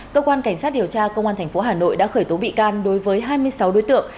cơ quan cảnh sát điều tra công an tp hà nội đã khởi tố bị can đối với hai mươi sáu đối tượng